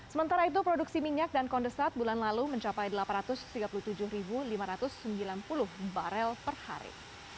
sementara itu produksi minyak dan kondesat bulan lalu mencapai delapan ratus tiga puluh tujuh lima ratus sembilan puluh barel per hari